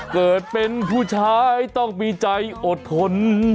เกิดเป็นผู้ชายต้องมีใจอดทน